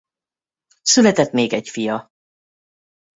Született még egy fia.